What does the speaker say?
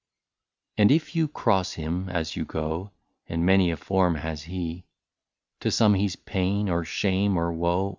And if you cross him as you go, — And many a form has he ; To some he 's pain, or shame, or woe.